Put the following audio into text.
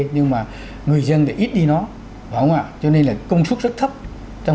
nhưng mà người dân đã ít đi nó phải không ạ cho nên là công suất rất thấp trong